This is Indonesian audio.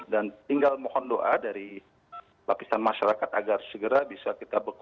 dan tinggal mohon doa dari lapisan masyarakat agar segera bisa kita bekuk